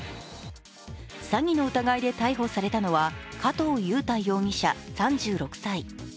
詐欺の疑いで逮捕されたのは加藤雄太容疑者３６歳。